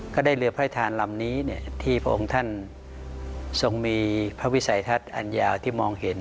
ก็ได้เรือพระทานลำนี้ที่พระองค์ท่านทรงมีพระวิสัยทัศน์อันยาวที่มองเห็น